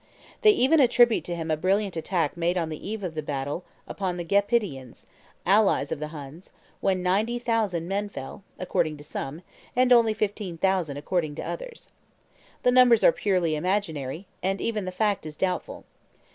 They even attribute to him a brilliant attack made on the eve of the battle upon the Gepidians, allies of the Huns, when ninety thousand men fell, according to some, and only fifteen thousand according to others. The numbers are purely imaginary, and even the fact is doubtful.